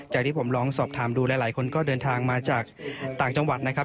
ที่ผมลองสอบถามดูหลายคนก็เดินทางมาจากต่างจังหวัดนะครับ